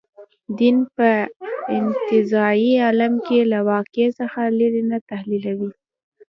دین به په انتزاعي عالم کې له واقع څخه لرې نه تحلیلوو.